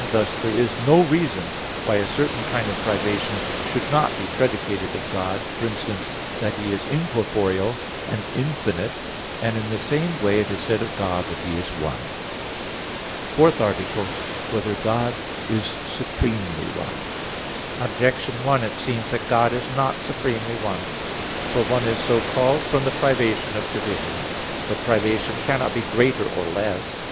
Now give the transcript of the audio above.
Thus there is no reason why a certain kind of privation should not be predicated of God; for instance, that He is incorporeal and infinite; and in the same way it is said of God that He is one. _______________________ FOURTH ARTICLE [I, Q. 11, Art. 4] Whether God Is Supremely One? Objection 1: It seems that God is not supremely one. For "one" is so called from the privation of division. But privation cannot be greater or less.